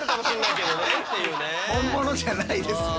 本物じゃないですよ。